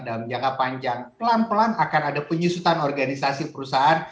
dalam jangka panjang pelan pelan akan ada penyusutan organisasi perusahaan